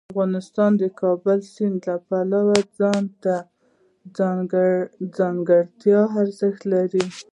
افغانستان د د کابل سیند د پلوه ځانته ځانګړتیا لري.